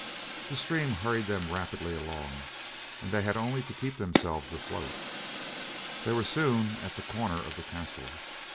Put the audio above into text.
The stream hurried them rapidly along, and they had only to keep themselves afloat. They were soon at the corner of the castle.